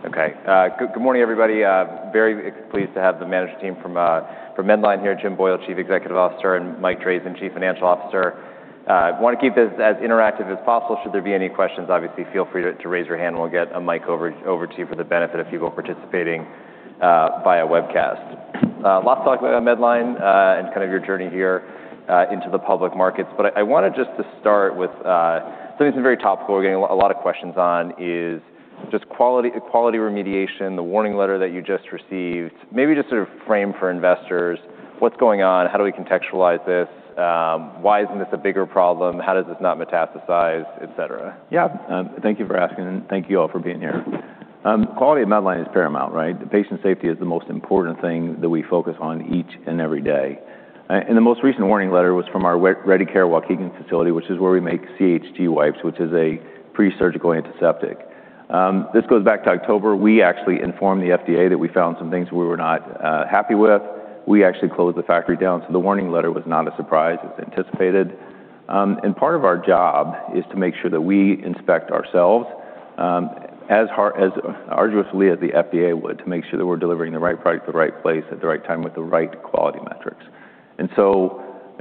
Okay. Good morning, everybody. Very pleased to have the management team from Medline here, Jim Boyle, Chief Executive Officer, and Mike Drazin, Chief Financial Officer. Want to keep this as interactive as possible. Should there be any questions, obviously, feel free to raise your hand and we'll get a mic over to you for the benefit of people participating via webcast. Lots to talk about Medline, and your journey here into the public markets. I wanted just to start with something that's very topical, we're getting a lot of questions on is just quality remediation, the warning letter that you just received. Maybe just sort of frame for investors what's going on, how do we contextualize this? Why isn't this a bigger problem? How does this not metastasize, et cetera? Yeah. Thank you for asking, and thank you all for being here. Quality at Medline is paramount, right? Patient safety is the most important thing that we focus on each and every day. The most recent warning letter was from our ReadyCare Waukegan facility, which is where we make CHG wipes, which is a pre-surgical antiseptic. This goes back to October. We actually informed the FDA that we found some things we were not happy with. We actually closed the factory down, so the warning letter was not a surprise. It was anticipated. Part of our job is to make sure that we inspect ourselves as arduously as the FDA would to make sure that we're delivering the right product at the right place at the right time with the right quality metrics.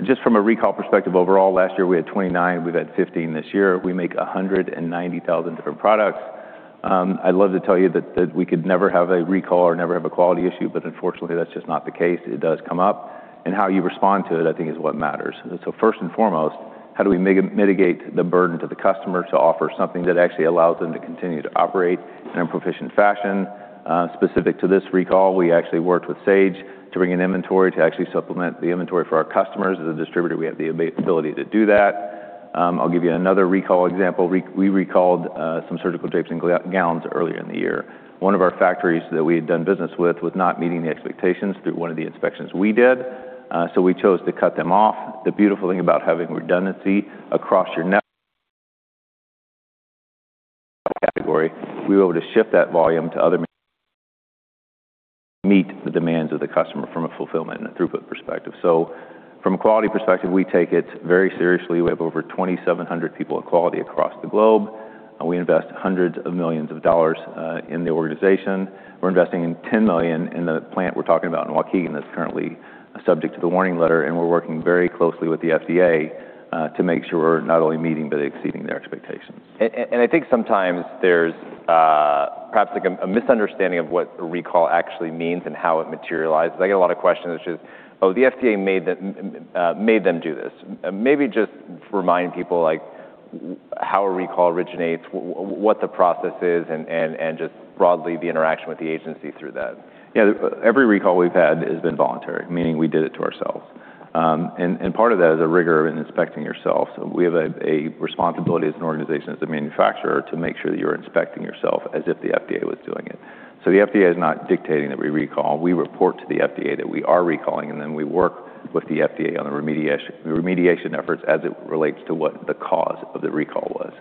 Just from a recall perspective, overall, last year we had 29. We've had 15 this year. We make 190,000 different products. I'd love to tell you that we could never have a recall or never have a quality issue, but unfortunately, that's just not the case. It does come up, and how you respond to it, I think, is what matters. First and foremost, how do we mitigate the burden to the customer to offer something that actually allows them to continue to operate in a proficient fashion? Specific to this recall, we actually worked with Sage to bring in inventory to actually supplement the inventory for our customers. As a distributor, we have the ability to do that. I'll give you another recall example. We recalled some surgical drapes and gowns earlier in the year. One of our factories that we had done business with was not meeting the expectations through one of the inspections we did, so we chose to cut them off. The beautiful thing about having redundancy across your next category, we were able to shift that volume to other manufacturers to meet the demands of the customer from a fulfillment and a throughput perspective. From a quality perspective, we take it very seriously. We have over 2,700 people of quality across the globe, we invest hundreds of millions USD in the organization. We're investing $10 million in the plant we're talking about in Waukegan that's currently subject to the warning letter, we're working very closely with the FDA to make sure we're not only meeting but exceeding their expectations. I think sometimes there's perhaps a misunderstanding of what a recall actually means and how it materializes. I get a lot of questions, which is, "Oh, the FDA made them do this." Maybe just remind people how a recall originates, what the process is, and just broadly the interaction with the agency through that. Yeah. Every recall we've had has been voluntary, meaning we did it to ourselves. Part of that is a rigor in inspecting yourself. We have a responsibility as an organization, as a manufacturer, to make sure that you're inspecting yourself as if the FDA was doing it. The FDA is not dictating that we recall. We report to the FDA that we are recalling, and then we work with the FDA on the remediation efforts as it relates to what the cause of the recall was.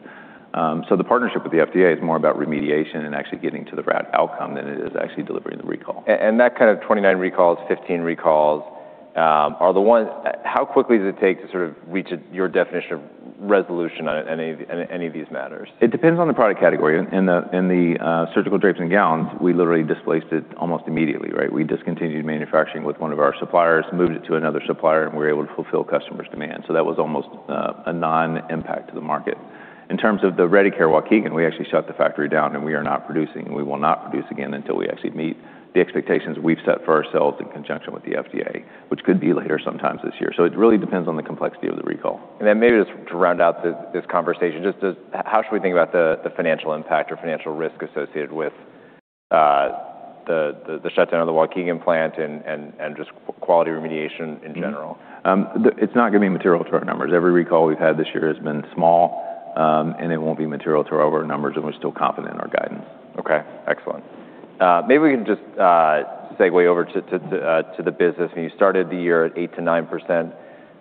The partnership with the FDA is more about remediation and actually getting to the right outcome than it is actually delivering the recall. That kind of 29 recalls, 15 recalls. How quickly does it take to sort of reach your definition of resolution on any of these matters? It depends on the product category. In the surgical drapes and gowns, we literally displaced it almost immediately, right? We discontinued manufacturing with one of our suppliers, moved it to another supplier, and were able to fulfill customers' demands. That was almost a non-impact to the market. In terms of the ReadyCare Waukegan, we actually shut the factory down, and we are not producing, and we will not produce again until we actually meet the expectations we've set for ourselves in conjunction with the FDA, which could be later sometimes this year. It really depends on the complexity of the recall. Maybe just to round out this conversation, just how should we think about the financial impact or financial risk associated with the shutdown of the Waukegan plant and just quality remediation in general? It's not going to be material to our numbers. Every recall we've had this year has been small, and it won't be material to our numbers, and we're still confident in our guidance. Okay. Excellent. Maybe we can just segue over to the business. When you started the year at 8%-9%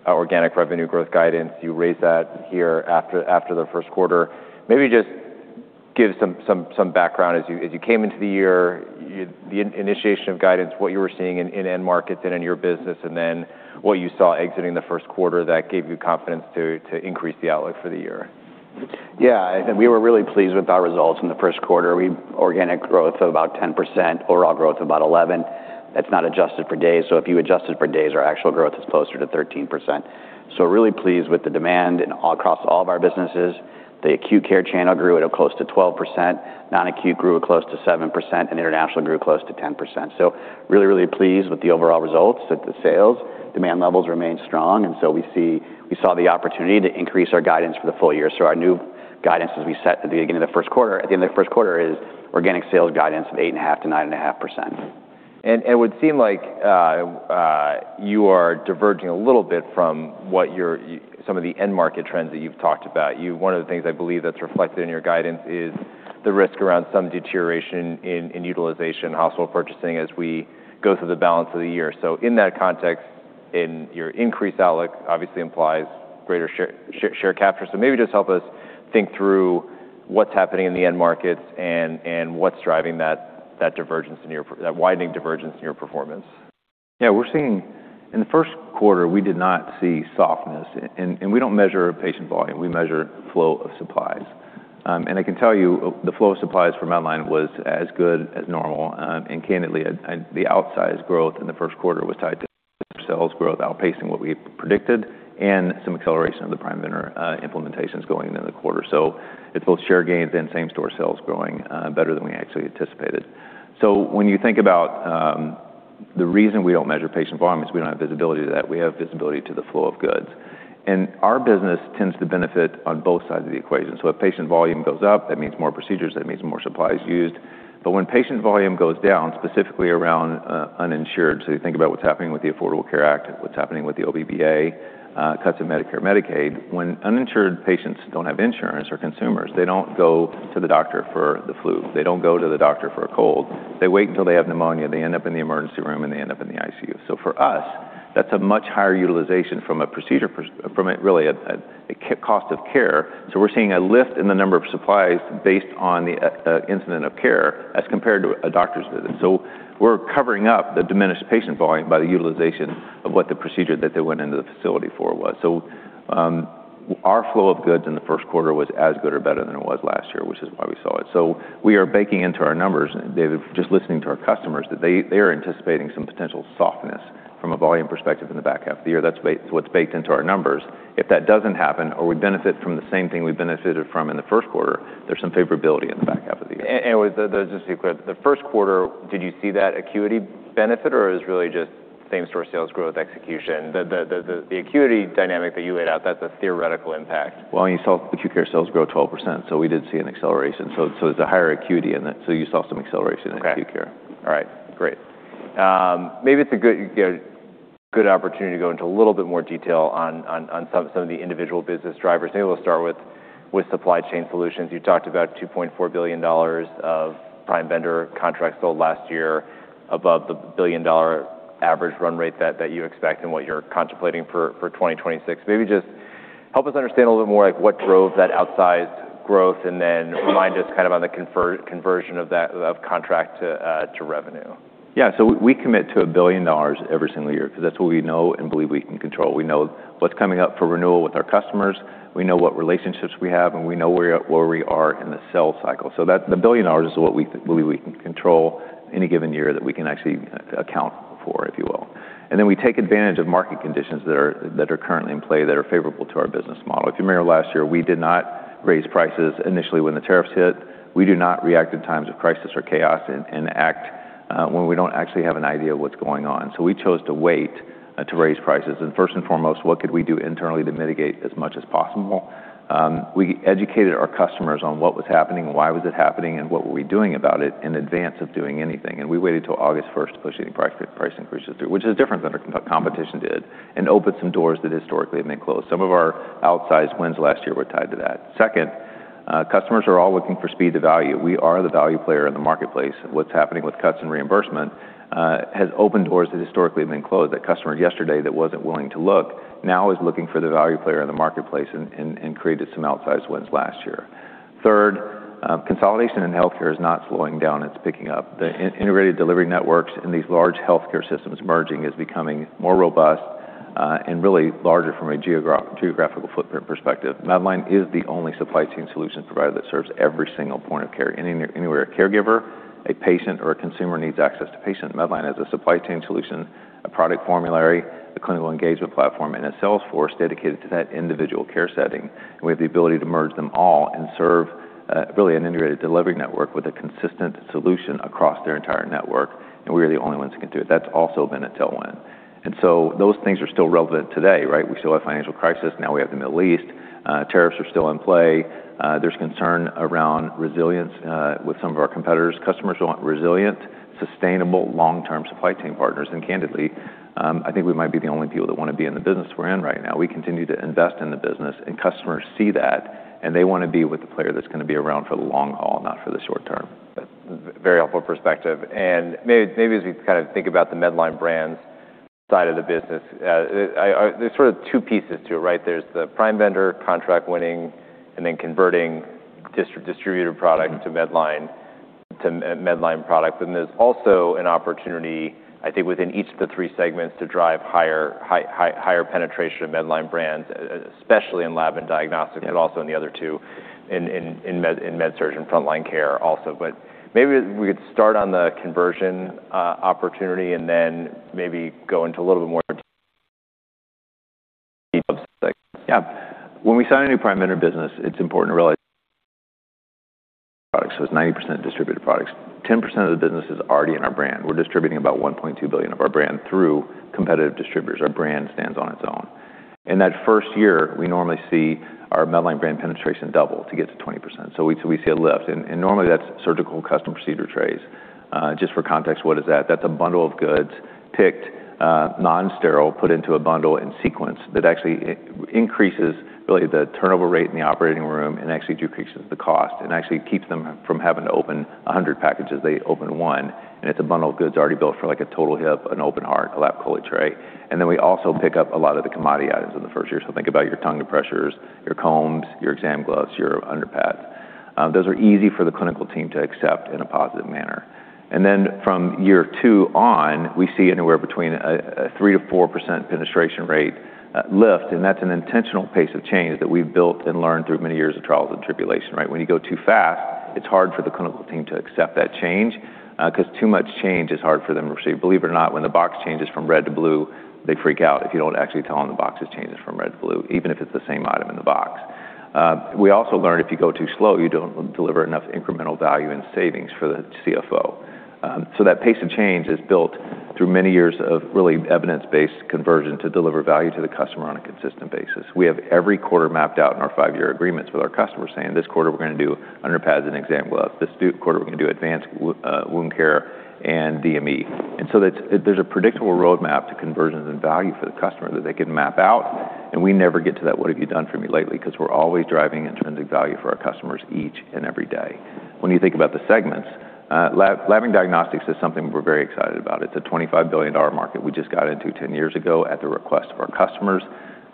organic revenue growth guidance, you raised that here after the first quarter. Maybe just give some background as you came into the year, the initiation of guidance, what you were seeing in end markets and in your business, and then what you saw exiting the first quarter that gave you confidence to increase the outlook for the year. Yeah. I think we were really pleased with our results in the first quarter. Organic growth of about 10%, overall growth of about 11%. That's not adjusted for days, so if you adjust it for days, our actual growth is closer to 13%. Really pleased with the demand and across all of our businesses. The acute care channel grew at close to 12%, non-acute grew at close to 7%, and international grew close to 10%. Really, really pleased with the overall results at the sales. Demand levels remain strong, and so we saw the opportunity to increase our guidance for the full year. Our new guidance, as we set at the beginning of the first quarter, at the end of the first quarter, is organic sales guidance of 8.5%-9.5%. It would seem like you are diverging a little bit from some of the end market trends that you've talked about. One of the things I believe that's reflected in your guidance is the risk around some deterioration in utilization, household purchasing as we go through the balance of the year. In that context, and your increased outlook obviously implies greater share capture. Maybe just help us think through what's happening in the end markets and what's driving that widening divergence in your performance. Yeah, in the first quarter, we did not see softness. We don't measure patient volume, we measure flow of supplies. I can tell you, the flow of supplies for Medline was as good as normal. Candidly, the outsized growth in the first quarter was tied to sales growth outpacing what we had predicted and some acceleration of the prime vendor implementations going into the quarter. It's both share gains and same-store sales growing better than we actually anticipated. When you think about the reason we don't measure patient volume is we don't have visibility to that. We have visibility to the flow of goods. Our business tends to benefit on both sides of the equation. If patient volume goes up, that means more procedures, that means more supplies used. When patient volume goes down, specifically around uninsured, you think about what's happening with the Affordable Care Act, what's happening with the OBRA, cuts in Medicare, Medicaid. When uninsured patients don't have insurance, or consumers, they don't go to the doctor for the flu. They don't go to the doctor for a cold. They wait until they have pneumonia, they end up in the emergency room, and they end up in the ICU. For us, that's a much higher utilization from a procedure, from really a cost of care. We're seeing a lift in the number of supplies based on the incident of care as compared to a doctor's visit. We're covering up the diminished patient volume by the utilization of what the procedure that they went into the facility for was. Our flow of goods in the first quarter was as good or better than it was last year, which is why we saw it. We are baking into our numbers, David, just listening to our customers, that they are anticipating some potential softness from a volume perspective in the back half of the year. That's what's baked into our numbers. If that doesn't happen, or we benefit from the same thing we benefited from in the first quarter, there's some favorability in the back half of the year. Just to be clear, the first quarter, did you see that acuity benefit, or is it really just same store sales growth execution? The acuity dynamic that you laid out, that's a theoretical impact. Well, you saw acute care sales grow 12%, so we did see an acceleration. It's a higher acuity, and so you saw some acceleration in acute care. Okay. All right. Great. Maybe it's a good opportunity to go into a little bit more detail on some of the individual business drivers. Maybe we'll start with supply chain solutions. You talked about $2.4 billion of prime vendor contracts sold last year above the billion-dollar average run rate that you expect and what you're contemplating for 2026. Maybe just help us understand a little more what drove that outsized growth, and then remind us kind of on the conversion of contract to revenue. Yeah. We commit to $1 billion every single year because that's what we know and believe we can control. We know what's coming up for renewal with our customers, we know what relationships we have, and we know where we are in the sales cycle. The $1 billion is what we believe we can control any given year that we can actually account for, if you will. We take advantage of market conditions that are currently in play that are favorable to our business model. If you remember last year, we did not raise prices initially when the tariffs hit. We do not react in times of crisis or chaos and act when we don't actually have an idea of what's going on. We chose to wait to raise prices. First and foremost, what could we do internally to mitigate as much as possible? We educated our customers on what was happening, why was it happening, and what were we doing about it in advance of doing anything. We waited till August 1st to push any price increases through, which is different than our competition did, and opened some doors that historically had been closed. Some of our outsized wins last year were tied to that. Second, customers are all looking for speed to value. We are the value player in the marketplace. What's happening with cuts in reimbursement has opened doors that historically have been closed. That customer yesterday that wasn't willing to look now is looking for the value player in the marketplace and created some outsized wins last year. Third, consolidation in healthcare is not slowing down. It's picking up. The integrated delivery networks in these large healthcare systems merging is becoming more robust, and really larger from a geographical footprint perspective. Medline is the only supply chain solutions provider that serves every single point of care. Anywhere a caregiver, a patient, or a consumer needs access to patient, Medline has a supply chain solution, a product formulary, a clinical engagement platform, and a sales force dedicated to that individual care setting. We have the ability to merge them all and serve really an integrated delivery network with a consistent solution across their entire network, and we are the only ones that can do it. That's also been a tailwind. Those things are still relevant today, right? We still have a financial crisis. Now we have the Middle East. Tariffs are still in play. There's concern around resilience with some of our competitors. Customers want resilient, sustainable, long-term supply chain partners. Candidly, I think we might be the only people that want to be in the business we're in right now. We continue to invest in the business, customers see that, and they want to be with the player that's going to be around for the long haul, not for the short term. Very helpful perspective. Maybe as we kind of think about the Medline Brands side of the business, there's sort of two pieces to it, right? There's the prime vendor contract winning and then converting distributor product to Medline product. There's also an opportunity, I think, within each of the three segments to drive higher penetration of Medline Brands, especially in Lab and diagnostics, but also in the other two, in Med-surg and Frontline care also. Maybe we could start on the conversion opportunity and then maybe go into a little bit more detail Yeah. When we sign a new prime vendor business, it's important to realize products. It's 90% distributor products. 10% of the business is already in our brand. We're distributing about $1.2 billion of our brand through competitive distributors. Our brand stands on its own. In that first year, we normally see our Medline brand penetration double to get to 20%. We see a lift. Normally, that's surgical custom procedure trays. Just for context, what is that? That's a bundle of goods picked, non-sterile, put into a bundle in sequence that actually increases really the turnover rate in the operating room and actually decreases the cost. Actually keeps them from having to open 100 packages. They open one, and it's a bundle of goods already built for like a total hip, an open heart, a lap chole tray. We also pick up a lot of the commodity items in the first year. Think about your tongue depressors, your combs, your exam gloves, your underpads. Those are easy for the clinical team to accept in a positive manner. From year two on, we see anywhere between a 3%-4% penetration rate lift, and that's an intentional pace of change that we've built and learned through many years of trials and tribulation, right? When you go too fast, it's hard for the clinical team to accept that change, because too much change is hard for them to receive. Believe it or not, when the box changes from red to blue, they freak out if you don't actually tell them the box has changed from red to blue, even if it's the same item in the box. We also learned if you go too slow, you don't deliver enough incremental value and savings for the CFO. That pace of change is built through many years of really evidence-based conversion to deliver value to the customer on a consistent basis. We have every quarter mapped out in our five-year agreements with our customers saying, "This quarter we're going to do underpads and exam gloves. This quarter we're going to do advanced wound care and DME." There's a predictable roadmap to conversions and value for the customer that they can map out, and we never get to that what have you done for me lately, because we're always driving intrinsic value for our customers each and every day. When you think about the segments, lab and diagnostics is something we're very excited about. It's a $25 billion market we just got into 10 years ago at the request of our customers.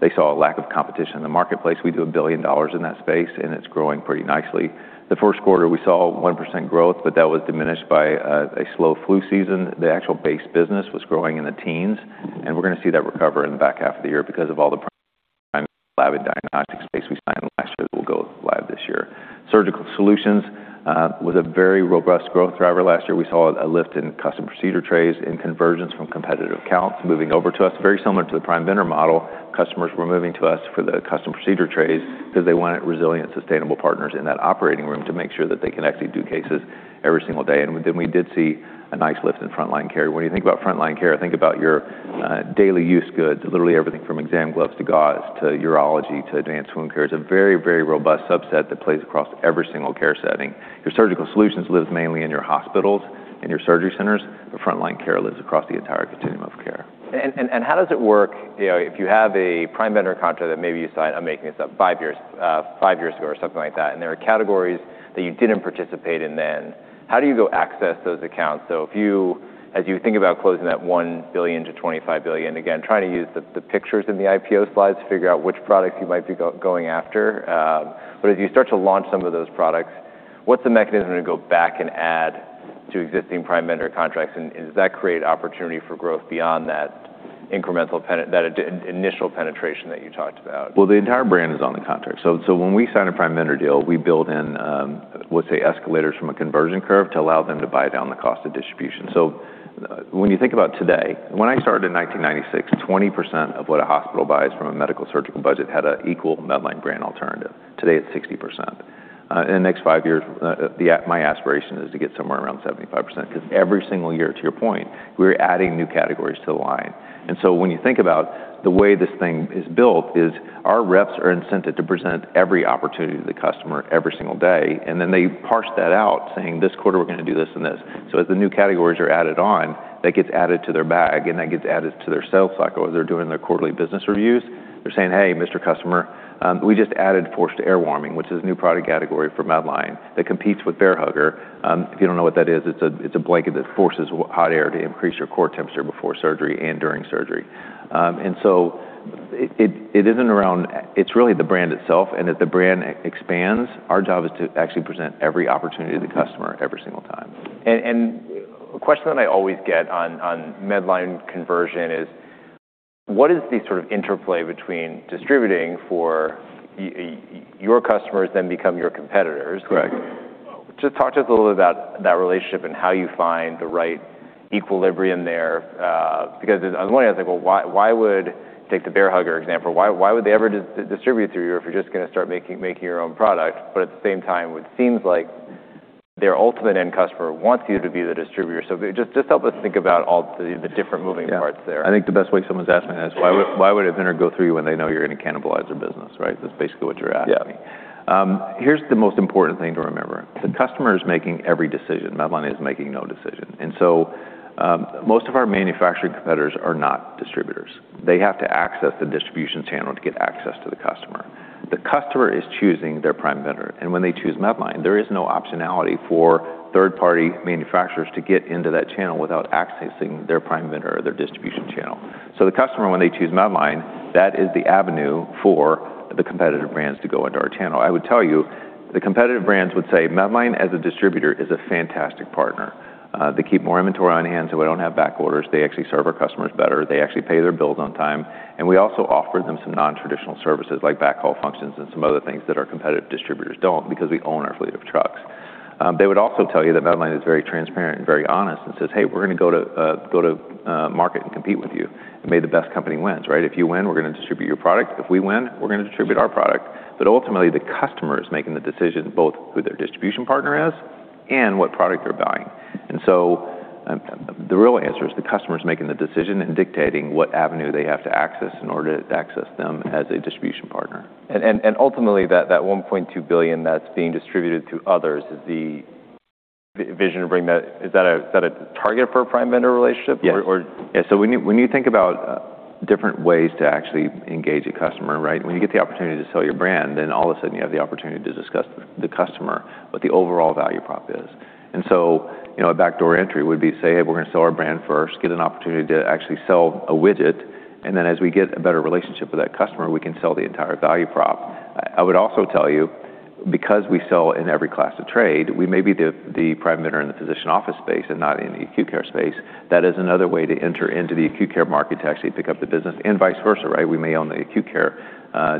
They saw a lack of competition in the marketplace. We do $1 billion in that space, and it's growing pretty nicely. The first quarter, we saw 1% growth, but that was diminished by a slow flu season. The actual base business was growing in the teens, and we're going to see that recover in the back half of the year because of all the lab and diagnostic space we signed last year that will go live this year. Surgical solutions was a very robust growth driver last year. We saw a lift in custom procedure trays and conversions from competitive accounts moving over to us, very similar to the prime vendor model. Customers were moving to us for the custom procedure trays because they wanted resilient, sustainable partners in that operating room to make sure that they can actually do cases every single day. We did see a nice lift in frontline care. When you think about frontline care, think about your daily use goods, literally everything from exam gloves to gauze, to urology, to advanced wound care. It's a very, very robust subset that plays across every single care setting. Your surgical solutions live mainly in your hospitals and your surgery centers. The frontline care lives across the entire continuum of care. How does it work if you have a prime vendor contract that maybe you signed, I'm making this up, five years ago or something like that, and there are categories that you didn't participate in then. How do you go access those accounts? If you, as you think about closing that $1 billion-$25 billion, again, trying to use the pictures in the IPO slides to figure out which products you might be going after. As you start to launch some of those products, what's the mechanism to go back and add to existing prime vendor contracts, and does that create opportunity for growth beyond that initial penetration that you talked about? Well, the entire brand is on the contract. When we sign a prime vendor deal, we build in, let's say, escalators from a conversion curve to allow them to buy down the cost of distribution. When you think about today, when I started in 1996, 20% of what a hospital buys from a Med-surg budget had an equal Medline brand alternative. Today it's 60%. In the next five years, my aspiration is to get somewhere around 75%, because every single year, to your point, we're adding new categories to the line. When you think about the way this thing is built is our reps are incented to present every opportunity to the customer every single day, and then they parse that out saying, "This quarter we're going to do this and this." As the new categories are added on, that gets added to their bag and that gets added to their sales cycle. As they're doing their quarterly business reviews, they're saying, "Hey, Mr. Customer, we just added forced air warming, which is a new product category for Medline that competes with Bair Hugger." If you don't know what that is, it's a blanket that forces hot air to increase your core temperature before surgery and during surgery. It's really the brand itself, and as the brand expands, our job is to actually present every opportunity to the customer every single time. A question that I always get on Medline conversion is what is the sort of interplay between distributing for your customers then become your competitors? Correct. Talk to us a little bit about that relationship and how you find the right equilibrium there. On one hand I think, well, why would, take the Bair Hugger example, why would they ever distribute through you if you're just going to start making your own product? At the same time, it seems like their ultimate end customer wants you to be the distributor. Just help us think about all the different moving parts there. Yeah. I think the best way someone's asking that is why would a vendor go through you when they know you're going to cannibalize their business, right? That's basically what you're asking me. Yeah. Here's the most important thing to remember. The customer is making every decision. Medline is making no decision. Most of our manufacturing competitors are not distributors. They have to access the distribution channel to get access to the customer. The customer is choosing their prime vendor, and when they choose Medline, there is no optionality for third-party manufacturers to get into that channel without accessing their prime vendor or their distribution channel. The customer, when they choose Medline, that is the avenue for the competitive brands to go into our channel. I would tell you, the competitive brands would say Medline as a distributor is a fantastic partner. They keep more inventory on hand, so we don't have back orders. They actually serve our customers better. They actually pay their bills on time. We also offer them some non-traditional services like backhaul functions and some other things that our competitive distributors don't because we own our fleet of trucks. They would also tell you that Medline is very transparent and very honest and says, "Hey, we're going to go to market and compete with you, and may the best company wins." Right? If you win, we're going to distribute your product. If we win, we're going to distribute our product. Ultimately, the customer is making the decision both who their distribution partner is and what product they're buying. The real answer is the customer's making the decision and dictating what avenue they have to access in order to access them as a distribution partner. Ultimately that $1.2 billion that's being distributed to others, is the vision to bring that, is that a target for a prime vendor relationship? Yes. When you think about different ways to actually engage a customer, right, when you get the opportunity to sell your brand, then all of a sudden you have the opportunity to discuss the customer, what the overall value prop is. A backdoor entry would be say, hey, we're going to sell our brand first, get an opportunity to actually sell a widget, and then as we get a better relationship with that customer, we can sell the entire value prop. I would also tell you because we sell in every class of trade, we may be the prime vendor in the physician office space and not in the acute care space. That is another way to enter into the acute care market to actually pick up the business, and vice versa. We may own the acute care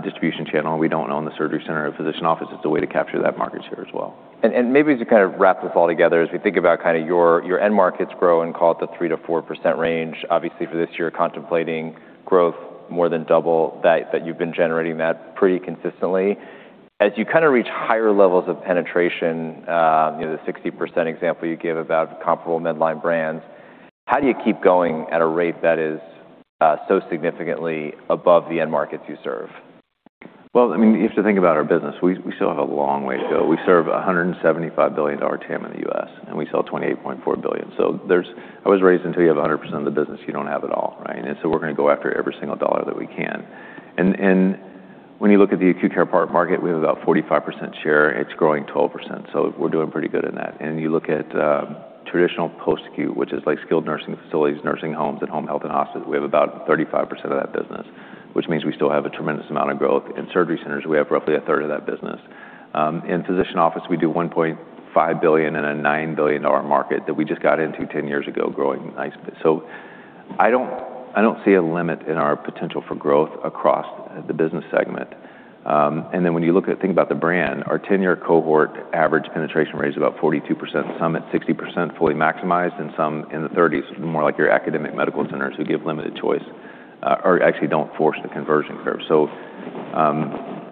distribution channel, and we don't own the surgery center or physician office. It's a way to capture that market share as well. Maybe to kind of wrap this all together, as we think about your end markets grow and call it the 3%-4% range, obviously for this year contemplating growth more than double that you've been generating that pretty consistently. As you reach higher levels of penetration, the 60% example you give about comparable Medline Brands, how do you keep going at a rate that is so significantly above the end markets you serve? Well, you have to think about our business. We still have a long way to go. We serve $175 billion TAM in the U.S., and we sell $28.4 billion. I was raised until you have 100% of the business, you don't have it all. We're going to go after every single dollar that we can. When you look at the acute care part market, we have about 45% share. It's growing 12%, so we're doing pretty good in that. You look at traditional post-acute, which is like skilled nursing facilities, nursing homes, and home health and hospice, we have about 35% of that business, which means we still have a tremendous amount of growth. In surgery centers, we have roughly a third of that business. In physician office, we do $1.5 billion in a $9 billion market that we just got into 10 years ago, growing nicely. I don't see a limit in our potential for growth across the business segment. When you think about the brand, our 10-year cohort average penetration rate is about 42%, some at 60% fully maximized and some in the 30s, more like your academic medical centers who give limited choice or actually don't force the conversion curve.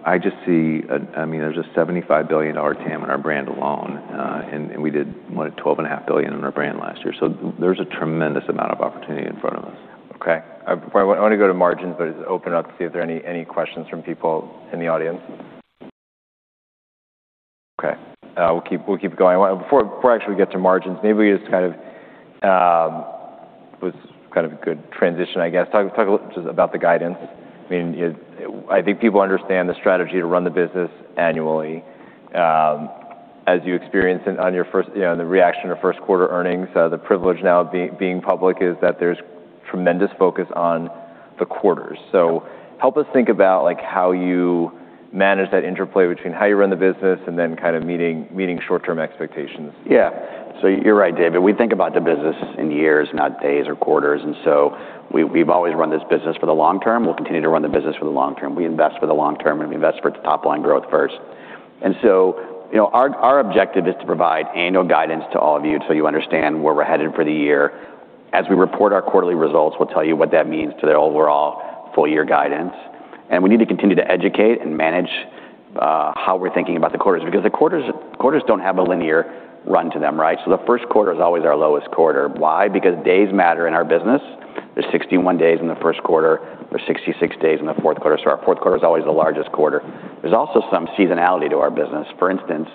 I just see there's a $75 billion TAM in our brand alone, and we did $12.5 billion in our brand last year. There's a tremendous amount of opportunity in front of us. Okay. Before I want to go to margins, just open up to see if there are any questions from people in the audience. Okay, we'll keep going. Before I actually get to margins, maybe we just kind of, it's kind of a good transition, I guess. Talk a little just about the guidance. I think people understand the strategy to run the business annually. As you experience it on your first, the reaction to first quarter earnings, the privilege now of being public is that there's tremendous focus on the quarters. Help us think about how you manage that interplay between how you run the business and then kind of meeting short-term expectations. Yeah. You're right, David. We think about the business in years, not days or quarters, we've always run this business for the long term. We'll continue to run the business for the long term. We invest for the long term, and we invest for top-line growth first. Our objective is to provide annual guidance to all of you so you understand where we're headed for the year. As we report our quarterly results, we'll tell you what that means to the overall full-year guidance. We need to continue to educate and manage how we're thinking about the quarters, because the quarters don't have a linear run to them. The first quarter is always our lowest quarter. Why? Because days matter in our business. There's 61 days in the first quarter. There's 66 days in the fourth quarter. Our fourth quarter is always the largest quarter. There's also some seasonality to our business. For instance,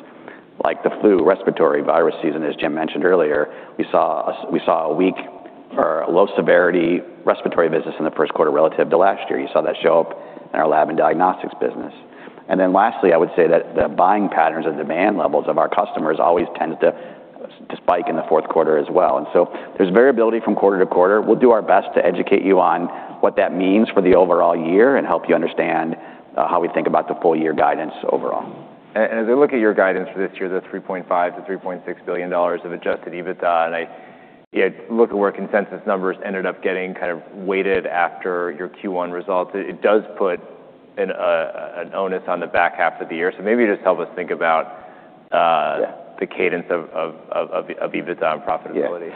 like the flu, respiratory virus season, as Jim mentioned earlier, we saw a weak or a low-severity respiratory business in the first quarter relative to last year. You saw that show up in our Lab and diagnostics business. Lastly, I would say that the buying patterns and demand levels of our customers always tends to spike in the fourth quarter as well. There's variability from quarter to quarter. We'll do our best to educate you on what that means for the overall year and help you understand how we think about the full year guidance overall. As I look at your guidance for this year, the $3.5 billion-$3.6 billion of adjusted EBITDA, I look at where consensus numbers ended up getting kind of weighted after your Q1 results, it does put an onus on the back half of the year. Maybe just help us think about- Yeah the cadence of EBITDA and profitability.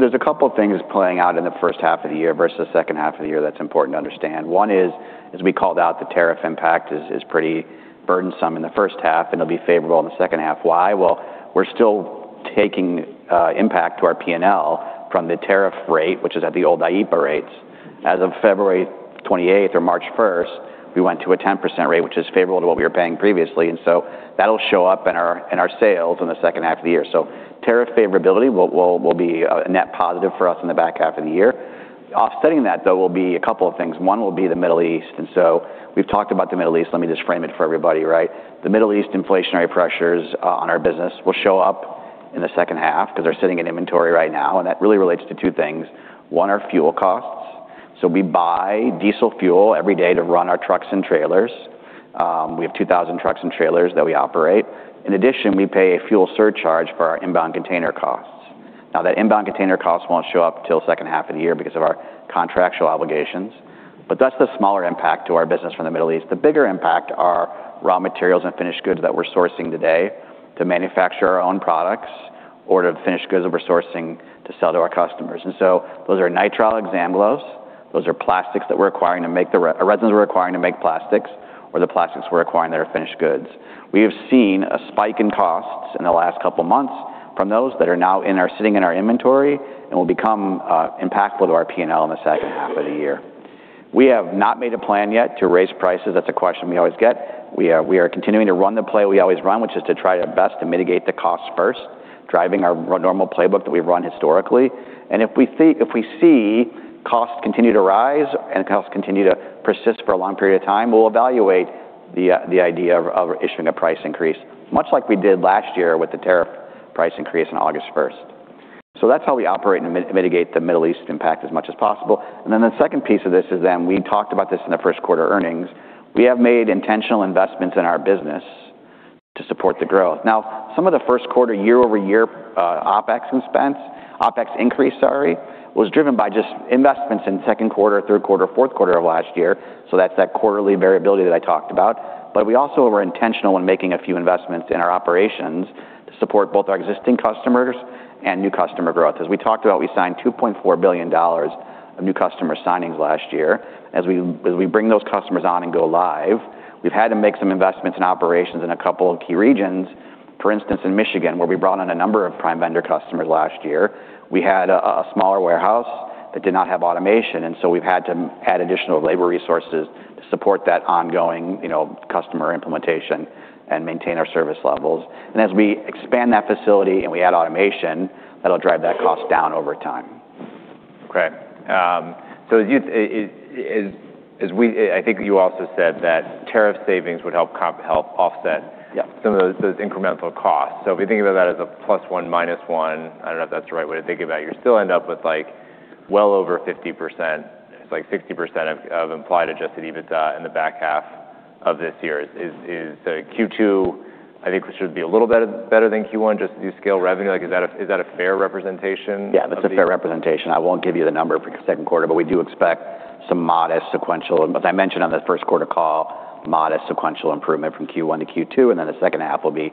There's a couple of things playing out in the first half of the year versus the second half of the year that's important to understand. One is, as we called out, the tariff impact is pretty burdensome in the first half, and it'll be favorable in the second half. Why? Well, we're still taking impact to our P&L from the tariff rate, which is at the old IEEPA rates. As of February 28th or March 1st, we went to a 10% rate, which is favorable to what we were paying previously. That'll show up in our sales in the second half of the year. Tariff favorability will be a net positive for us in the back half of the year. Offsetting that, though, will be a couple of things. One will be the Middle East, we've talked about the Middle East. Let me just frame it for everybody. The Middle East inflationary pressures on our business will show up in the second half because they're sitting in inventory right now, and that really relates to two things. One, our fuel costs. We buy diesel fuel every day to run our trucks and trailers. We have 2,000 trucks and trailers that we operate. In addition, we pay a fuel surcharge for our inbound container costs. Now, that inbound container cost won't show up till second half of the year because of our contractual obligations. That's the smaller impact to our business from the Middle East. The bigger impact are raw materials and finished goods that we're sourcing today to manufacture our own products or the finished goods that we're sourcing to sell to our customers. Those are nitrile exam gloves. Those are resins we're acquiring to make plastics, or the plastics we're acquiring that are finished goods. We have seen a spike in costs in the last couple of months from those that are now sitting in our inventory and will become impactful to our P&L in the second half of the year. We have not made a plan yet to raise prices. That's a question we always get. We are continuing to run the play we always run, which is to try our best to mitigate the costs first, driving our normal playbook that we've run historically. If we see costs continue to rise and costs continue to persist for a long period of time, we'll evaluate the idea of issuing a price increase, much like we did last year with the tariff price increase on August 1st. That's how we operate and mitigate the Middle East impact as much as possible. The second piece of this is, we talked about this in the first quarter earnings. We have made intentional investments in our business to support the growth. Now, some of the first quarter year-over-year OpEx expense, OpEx increase, sorry, was driven by just investments in second quarter, third quarter, fourth quarter of last year. That's that quarterly variability that I talked about. We also were intentional when making a few investments in our operations to support both our existing customers and new customer growth. As we talked about, we signed $2.4 billion of new customer signings last year. As we bring those customers on and go live, we've had to make some investments in operations in a couple of key regions. For instance, in Michigan, where we brought on a number of prime vendor customers last year, we had a smaller warehouse that did not have automation, we've had to add additional labor resources to support that ongoing customer implementation and maintain our service levels. As we expand that facility and we add automation, that'll drive that cost down over time. Okay. I think you also said that tariff savings would help offset- Yeah. Some of those incremental costs. If we think about that as a plus one, minus one, I don't know if that's the right way to think about it, you still end up with well over 50%, it's like 60% of implied adjusted EBITDA in the back half of this year. Is Q2, I think, should be a little better than Q1, just scale revenue. Is that a fair representation of the- Yeah, that's a fair representation. I won't give you the number for second quarter, we do expect some modest sequential, as I mentioned on the first quarter call, modest sequential improvement from Q1 to Q2, the second half will be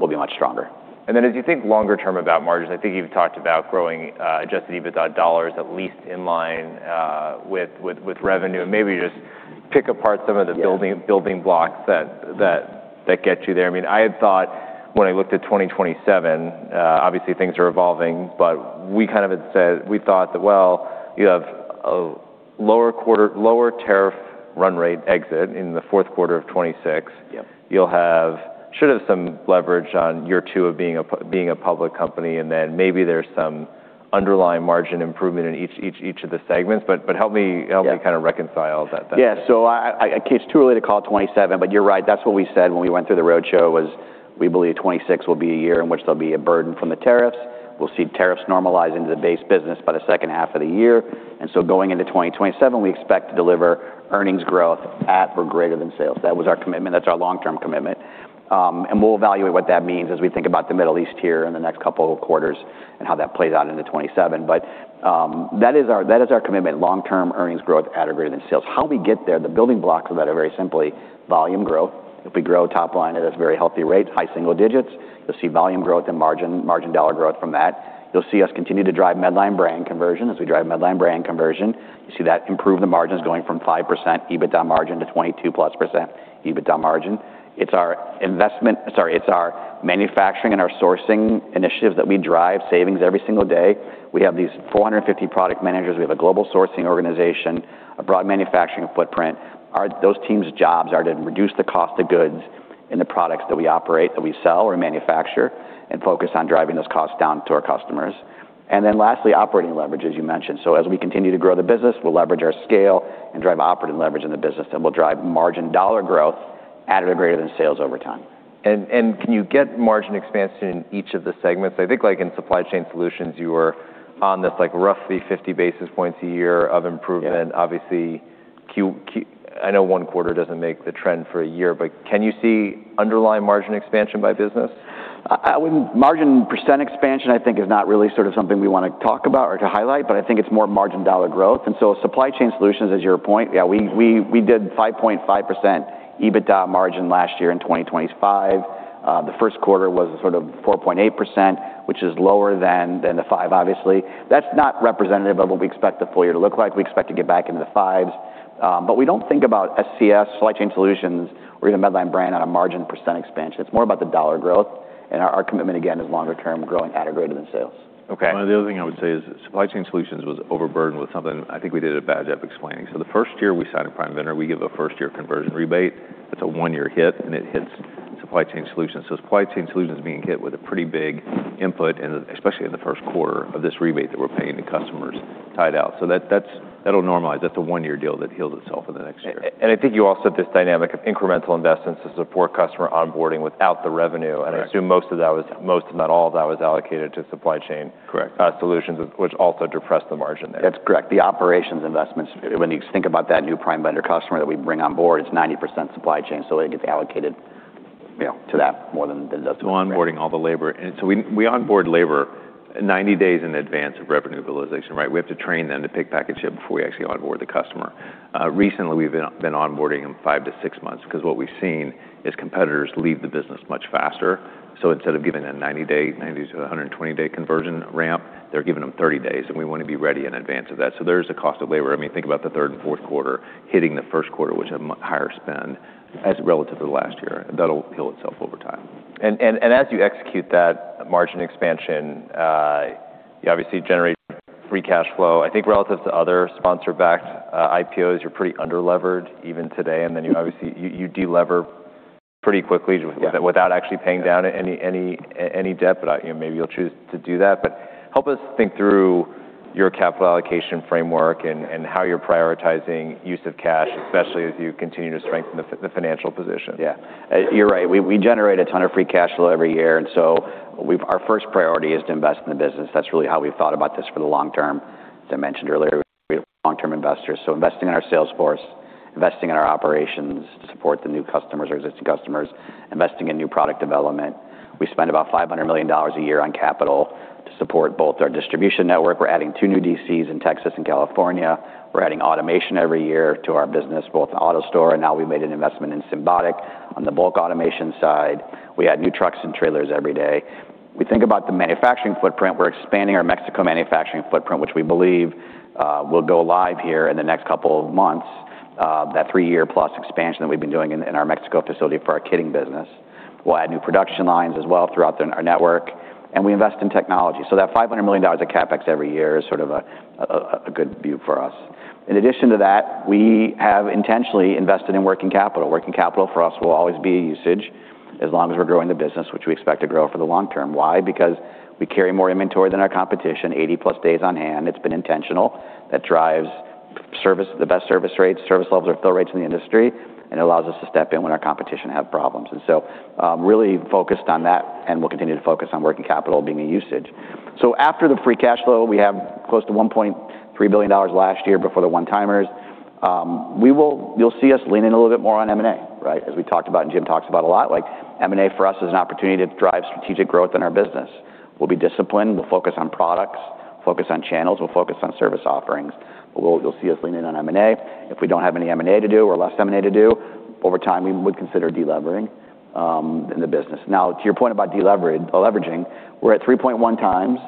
much stronger. As you think longer term about margins, I think you've talked about growing adjusted EBITDA dollars at least in line with revenue. Maybe just pick apart some of= Yeah. Building blocks that get you there. I had thought when I looked at 2027, obviously things are evolving, but we kind of had said, we thought that, well, you have a lower quarter, lower tariff run rate exit in the fourth quarter of 2026. Yep. You should have some leverage on year two of being a public company, maybe there's some underlying margin improvement in each of the segments. Help me- Yeah. Kind of reconcile that. Yeah. It's too early to call 2027. You're right, that's what we said when we went through the roadshow was we believe 2026 will be a year in which there'll be a burden from the tariffs. We'll see tariffs normalize into the base business by the second half of the year. Going into 2027, we expect to deliver earnings growth at or greater than sales. That was our commitment. That's our long-term commitment. We'll evaluate what that means as we think about the Middle East here in the next couple of quarters and how that plays out into 2027. That is our commitment, long-term earnings growth at or greater than sales. How we get there, the building blocks of that are very simply volume growth. If we grow top line at a very healthy rate, high single digits, you'll see volume growth and margin dollar growth from that. You'll see us continue to drive Medline brand conversion. As we drive Medline brand conversion, you see that improve the margins going from 5% EBITDA margin to 22+% EBITDA margin. It's our investment, sorry, it's our manufacturing and our sourcing initiatives that we drive savings every single day. We have these 450 product managers. We have a global sourcing organization, a broad manufacturing footprint. Those teams' jobs are to reduce the cost of goods in the products that we operate, that we sell or manufacture, and focus on driving those costs down to our customers. Lastly, operating leverage, as you mentioned. As we continue to grow the business, we'll leverage our scale and drive operating leverage in the business that will drive margin dollar growth at or greater than sales over time. Can you get margin expansion in each of the segments? I think in supply chain solutions, you were on this roughly 50 basis points a year of improvement. Yeah. I know one quarter doesn't make the trend for a year, can you see underlying margin expansion by business? Margin percent expansion, I think, is not really sort of something we want to talk about or to highlight, I think it's more margin dollar growth. Supply chain solutions, as your point, yeah, we did 5.5% EBITDA margin last year in 2025. The first quarter was sort of 4.8%, which is lower than the five, obviously. That's not representative of what we expect the full year to look like. We expect to get back into the fives. We don't think about SCS, supply chain solutions, or even Medline brand on a margin percent expansion. It's more about the dollar growth, and our commitment, again, is longer term growing at or greater than sales. Okay. The other thing I would say is supply chain solutions was overburdened with something I think we did a bad job explaining. The first year we signed a prime vendor, we give a first-year conversion rebate. That's a one-year hit, and it hits supply chain solutions. Supply chain solutions being hit with a pretty big input, and especially in the first quarter of this rebate that we're paying to customers tied out. That'll normalize. That's a one-year deal that heals itself in the next year. I think you also have this dynamic of incremental investments to support customer onboarding without the revenue. Correct. I assume if not all of that was allocated to supply chain- Correct. Solutions, which also depressed the margin there. That's correct. The operations investments, when you think about that new prime vendor customer that we bring on board, it's 90% supply chain, so it gets allocated to that more than the onboarding all the labor. We onboard labor 90 days in advance of revenue realization, right? We have to train them to pick, pack, and ship before we actually onboard the customer. Recently, we've been onboarding them five to six months because what we've seen is competitors leave the business much faster. Instead of giving a 90-day to 120-day conversion ramp, they're giving them 30 days, and we want to be ready in advance of that. There's a cost of labor. Think about the third and fourth quarter hitting the first quarter with a much higher spend as relative to last year. That'll heal itself over time. As you execute that margin expansion, you obviously generate free cash flow. I think relative to other sponsor-backed IPOs, you're pretty under-levered even today. Yeah. You obviously de-lever pretty quickly. Yeah without actually paying down any debt. Maybe you'll choose to do that. Help us think through your capital allocation framework and how you're prioritizing use of cash, especially as you continue to strengthen the financial position. Yeah. You're right. We generate a ton of free cash flow every year. Our first priority is to invest in the business. That's really how we've thought about this for the long term. As I mentioned earlier, we're long-term investors, investing in our sales force, investing in our operations to support the new customers or existing customers, investing in new product development. We spend about $500 million a year on capital to support both our distribution network. We're adding two new DCs in Texas and California. We're adding automation every year to our business, both AutoStore, and now we made an investment in Symbotic on the bulk automation side. We add new trucks and trailers every day. We think about the manufacturing footprint. We're expanding our Mexico manufacturing footprint, which we believe will go live here in the next couple of months, that three-year plus expansion that we've been doing in our Mexico facility for our kitting business. We'll add new production lines as well throughout our network. That $500 million of CapEx every year is sort of a good view for us. In addition to that, we have intentionally invested in working capital. Working capital for us will always be a usage as long as we're growing the business, which we expect to grow for the long term. Why? Because we carry more inventory than our competition, 80+ days on hand. It's been intentional. That drives the best service rates, service levels, or fill rates in the industry. It allows us to step in when our competition have problems. Really focused on that, and we'll continue to focus on working capital being a usage. After the free cash flow, we have close to $1.3 billion last year before the one-timers. You'll see us lean in a little bit more on M&A, right? As we talked about, and Jim talks about a lot, M&A for us is an opportunity to drive strategic growth in our business. We'll be disciplined. We'll focus on products, focus on channels. We'll focus on service offerings, but you'll see us lean in on M&A. If we don't have any M&A to do, or less M&A to do, over time, we would consider de-leveraging in the business. To your point about de-leveraging, we're at 3.1 times.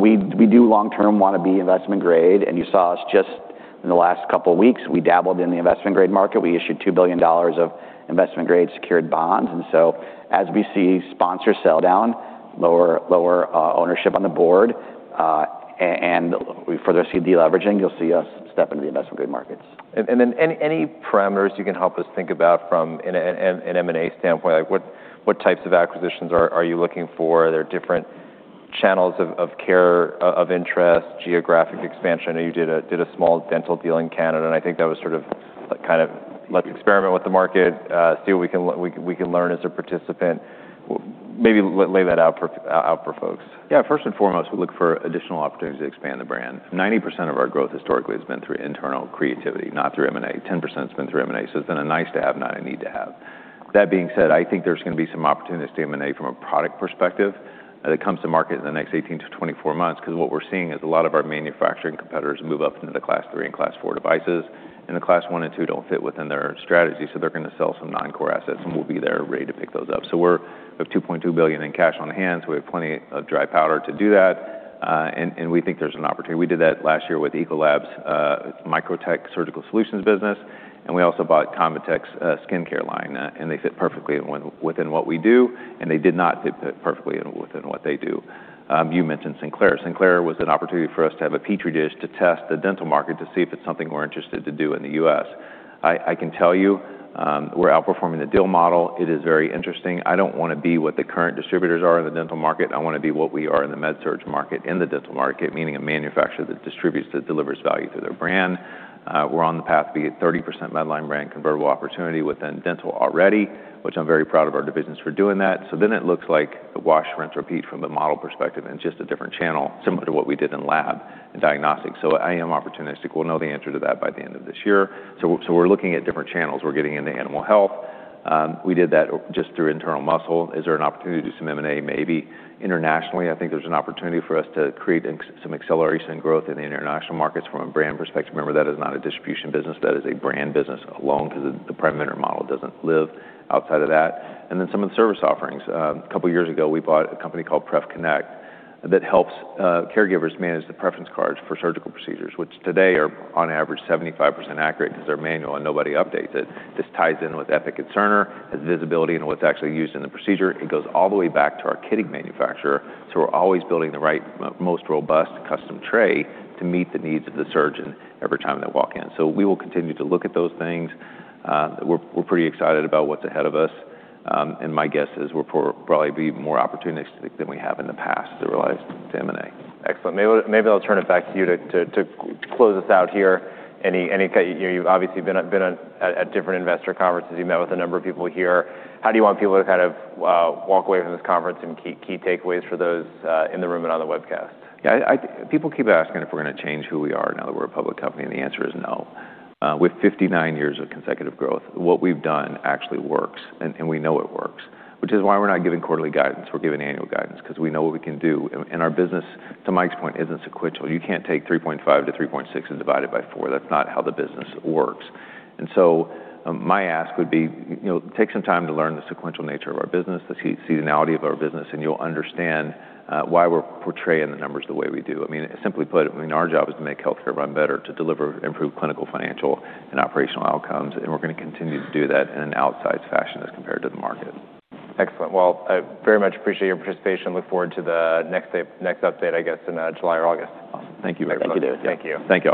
We do long term want to be investment grade. You saw us just in the last couple of weeks, we dabbled in the investment grade market. We issued $2 billion of investment grade secured bonds. As we see sponsors sell down, lower ownership on the board, and we further see de-leveraging, you'll see us step into the investment grade markets. Any parameters you can help us think about from an M&A standpoint, like what types of acquisitions are you looking for? Are there different channels of care, of interest, geographic expansion? I know you did a small dental deal in Canada, and I think that was sort of like kind of let's experiment with the market, see what we can learn as a participant. Maybe lay that out for folks. First and foremost, we look for additional opportunities to expand the brand. 90% of our growth historically has been through internal creativity, not through M&A. 10% has been through M&A, so it's been a nice to have, not a need to have. That being said, I think there's going to be some opportunities through M&A from a product perspective that comes to market in the next 18-24 months because what we're seeing is a lot of our manufacturing competitors move up into the class 3 and class 4 devices, and the class 1 and 2 don't fit within their strategy, so they're going to sell some non-core assets, and we'll be there ready to pick those up. We have $2.2 billion in cash on hand, so we have plenty of dry powder to do that, and we think there's an opportunity. We did that last year with Ecolab's Microtek Surgical Solutions business. We also bought ConvaTec's skincare line. They fit perfectly within what we do. They did not fit perfectly within what they do. You mentioned Sinclair. Sinclair was an opportunity for us to have a petri dish to test the dental market to see if it's something we're interested to do in the U.S. I can tell you, we're outperforming the deal model. It is very interesting. I don't want to be what the current distributors are in the dental market. I want to be what we are in the Med-surg market, in the dental market, meaning a manufacturer that distributes, that delivers value through their brand. We're on the path to be at 30% Medline brand convertible opportunity within dental already, which I'm very proud of our divisions for doing that. It looks like the wash, rinse, repeat from the model perspective and just a different channel, similar to what we did in Lab and diagnostics. I am opportunistic. We'll know the answer to that by the end of this year. We're looking at different channels. We're getting into animal health. We did that just through internal muscle. Is there an opportunity to do some M&A? Maybe. Internationally, I think there's an opportunity for us to create some acceleration growth in the international markets from a brand perspective. Remember, that is not a distribution business. That is a brand business alone because the prime vendor model doesn't live outside of that. Some of the service offerings. A couple years ago, we bought a company called PrefConnect that helps caregivers manage the preference cards for surgical procedures, which today are on average 75% accurate because they're manual and nobody updates it. This ties in with Epic Systems and Cerner. It has visibility into what's actually used in the procedure. It goes all the way back to our kitting manufacturer, so we're always building the right, most robust custom tray to meet the needs of the surgeon every time they walk in. We will continue to look at those things. We're pretty excited about what's ahead of us. My guess is we'll probably be more opportunistic than we have in the past to realize some M&A. Excellent. Maybe I'll turn it back to you to close us out here. You've obviously been at different investor conferences. You've met with a number of people here. How do you want people to kind of walk away from this conference and key takeaways for those in the room and on the webcast? Yeah. People keep asking if we're going to change who we are now that we're a public company, the answer is no. With 59 years of consecutive growth, what we've done actually works, we know it works, which is why we're not giving quarterly guidance. We're giving annual guidance because we know what we can do, our business, to Mike's point, isn't sequential. You can't take 3.5-3.6 and divide it by four. That's not how the business works. My ask would be take some time to learn the sequential nature of our business, the seasonality of our business, and you'll understand why we're portraying the numbers the way we do. I mean, simply put, our job is to make healthcare run better, to deliver improved clinical, financial, and operational outcomes, we're going to continue to do that in an outsized fashion as compared to the market. Excellent. Well, I very much appreciate your participation. Look forward to the next update, I guess, in July or August. Awesome. Thank you. Thank you. Thank you. Thank you all.